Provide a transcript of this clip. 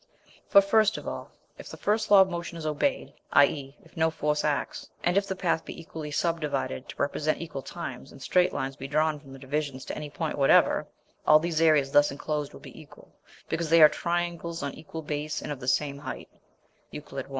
For first of all if the first law of motion is obeyed, i.e. if no force acts, and if the path be equally subdivided to represent equal times, and straight lines be drawn from the divisions to any point whatever, all these areas thus enclosed will be equal, because they are triangles on equal base and of the same height (Euclid, I).